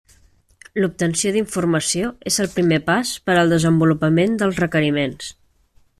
L'obtenció d'informació és el primer pas per al desenvolupament dels requeriments.